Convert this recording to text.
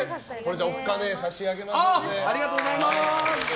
おっ金差し上げます。